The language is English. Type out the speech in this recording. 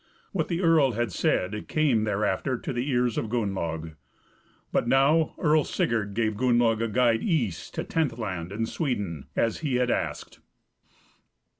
What the earl had said came thereafter to the ears of Gunnlaug. But now Earl Sigurd gave Gunnlaug a guide east to Tenthland, in Sweden, as he had asked.